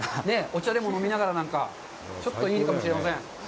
お茶でも飲みながらなんか、ちょっといいかもしれません。